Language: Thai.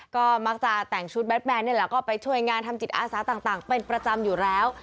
ก็มักจะแต่งชุดแบทแมนนี่แหละก็ไปช่วยงานทำจิตอาสาต่างเป็นประจำอยู่แล้ว